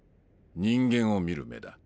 人間を見る目だ。